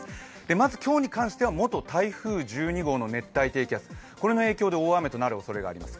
まず今日に関しては元台風１２号の熱帯低気圧、大雨となるおそれがあります。